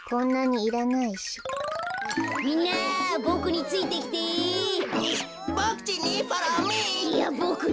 いやボクに。